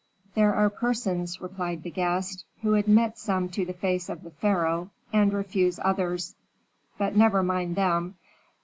"There are persons," replied the guest, "who admit some to the face of the pharaoh and refuse others but never mind them.